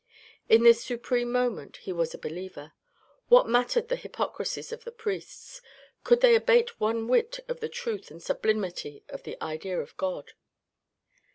In this supreme moment he was a believer. What mattered the hypocrisies of the priests ? Could they abate one whit of the truth and sublimity of the idea of God